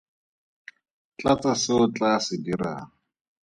Tlatsa se o tlaa se dirang.